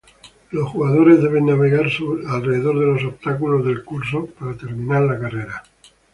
Los jugadores deben navegar alrededor de los obstáculos del curso para terminar la carrera.